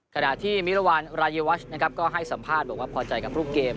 ขณะที่มิรวรรณรายวัชนะครับก็ให้สัมภาษณ์บอกว่าพอใจกับรูปเกม